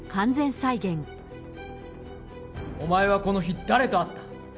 お前はこの日、誰と会った？